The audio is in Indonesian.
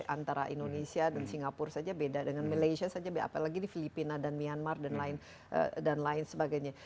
antara indonesia dan singapura saja beda dengan malaysia saja apalagi di filipina dan myanmar dan lain sebagainya